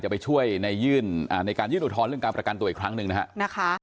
ไปช่วยในยื่นในการยื่นอุทธรณ์เรื่องการประกันตัวอีกครั้งหนึ่งนะฮะ